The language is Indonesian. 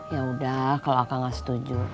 yaudah kalau kakak nggak setuju